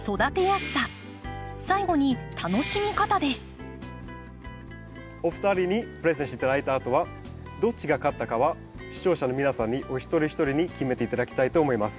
秋を彩るお二人にプレゼンして頂いたあとはどっちが勝ったかは視聴者の皆さんにお一人お一人に決めて頂きたいと思います。